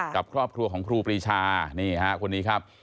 กับครอบครัวของครูปรีชานี่ฮะคนนี้ครับ